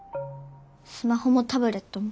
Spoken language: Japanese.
スマホもタブレットも。